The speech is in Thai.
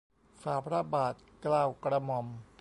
ฝ่าพระบาท เกล้ากระหม่อม